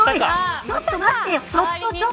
ちょっと待ってよ。